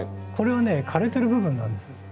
これはね枯れてる部分なんです。